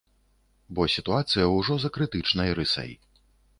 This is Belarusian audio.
Бо сітуацыя ўжо за крытычнай рысай.